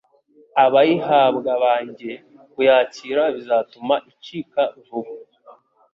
Abayihabwa bange kuyakira bizatuma icika vuba